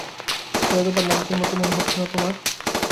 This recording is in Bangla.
জায়গাটা মঞ্চের মতো মনে হচ্ছে না তোমার?